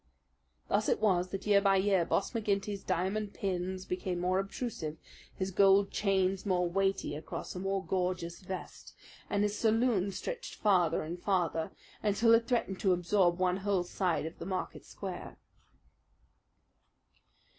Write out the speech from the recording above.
Thus it was that, year by year, Boss McGinty's diamond pins became more obtrusive, his gold chains more weighty across a more gorgeous vest, and his saloon stretched farther and farther, until it threatened to absorb one whole side of the Market Square.